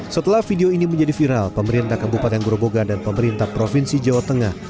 setelah video ini menjadi viral pemerintah kabupaten groboga dan pemerintah provinsi jawa tengah